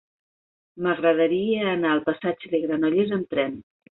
M'agradaria anar al passatge de Granollers amb tren.